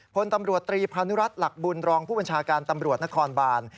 เป็นคนตำรวจ๓๐๐๐รัตรหลักบุญรองพฤบันชาการตำรวจนครบาน